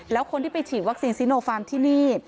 แล้วคนที่ไปฉีดวัคซีนซีโนฟาร์มที่นี่